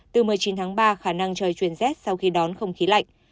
từ một mươi chín tháng ba khả năng trời chuyển rét sau khi đón không khí lạnh